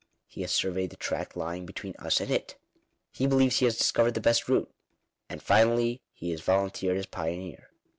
He has surveyed the tract lying between us and it. He believes he has dis covered the best route. And finally he has volunteered as pioneer.